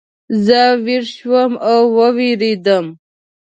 زه ویښ شوم او ووېرېدم.